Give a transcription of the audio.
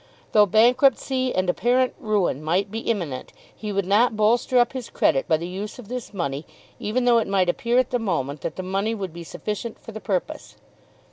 Though bankruptcy and apparent ruin might be imminent he would not bolster up his credit by the use of this money even though it might appear at the moment that the money would be sufficient for the purpose.